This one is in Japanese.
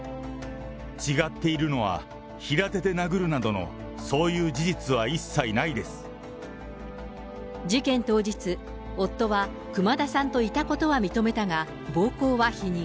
違っているのは平手で殴るなどの、そういう事実は一切ないで事件当日、夫は、熊田さんといたことは認めたが、暴行は否認。